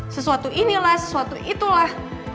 sesuatu inilah sesuatu itulah